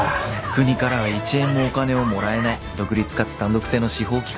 国からは一円もお金をもらえない独立かつ単独制の司法機関。